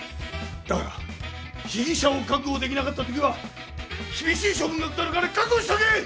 だがな被疑者を確保できなかったときは厳しい処分が下るから覚悟しとけ！